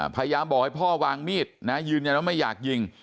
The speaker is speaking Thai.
พยายามบอกให้พ่อวางมีดนะยืนยันว่าไม่อยากยิง